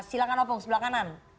silakan opung sebelah kanan